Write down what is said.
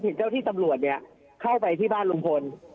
เจ้าที่ตำรวจเนี่ยเข้าไปที่บ้านลุงพล